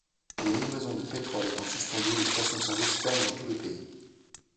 Les livraisons de pétrole étant suspendues, les stations-service ferment dans tout le pays.